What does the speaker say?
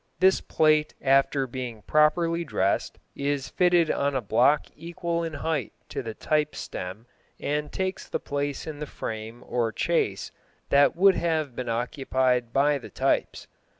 This plate after being properly dressed is fitted on a block equal in height to the type stem, and takes the place in the frame or chase that would have been occupied by the types.